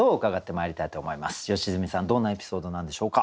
良純さんどんなエピソードなんでしょうか？